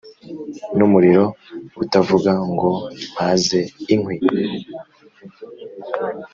n’umuriro utavuga ngo ‘mpaze inkwi’